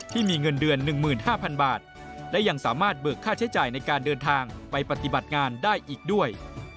ที่มีเงินเดือน๑๕๐๐๐บาทและยังสามารถเบิกค่าใช้จ่ายในการเดินทางไปปฏิบัติงานได้อีกด้วย